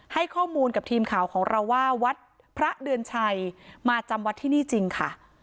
ให้ข้อมูลกับทีมข่าวของเราว่าวัดพระเดือนชัยมาจำวัดที่นี่จริงค่ะ